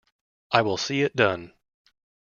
I will see it done.